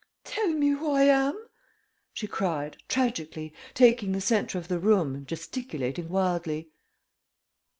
"Tell me who I am!" she cried, tragically, taking the centre of the room and gesticulating wildly.